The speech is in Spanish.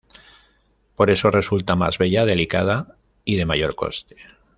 Por eso, resulta más bella, delicada y de mayor coste.